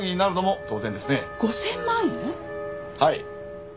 はい。